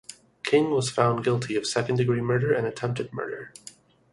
King was found guilty of second-degree murder and attempted murder.